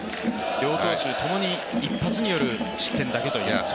両投手ともに一発による失点だけという。